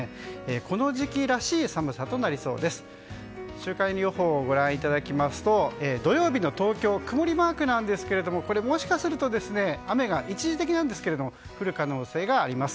週間予報をご覧いただきますと土曜日の東京曇りマークなんですがもしかすると雨が、一時的なんですけども降る可能性があります。